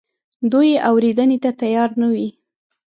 دوی یې اورېدنې ته تیار نه وي.